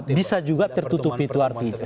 nah bisa juga tertutup itu artinya